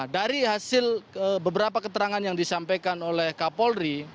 dari hasil beberapa keterangan yang disampaikan oleh kapolri